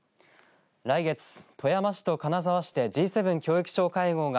来月、富山市と金沢市でＧ７教育相会合が